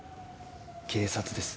警察です。